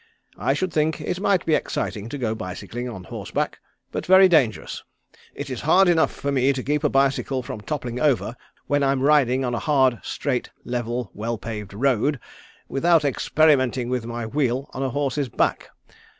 I should think it might be exciting to go bicycling on horse back, but very dangerous. It is hard enough for me to keep a bicycle from toppling over when I'm riding on a hard, straight, level well paved road, without experimenting with my wheel on a horse's back.